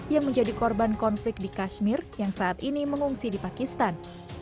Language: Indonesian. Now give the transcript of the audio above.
yang menjadi korban konflik di kashmir yang saat ini mengungsi di pakistan